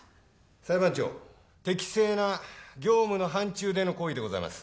裁判長適正な業務の範ちゅうでの行為でございます。